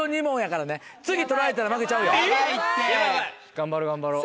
頑張ろう頑張ろう。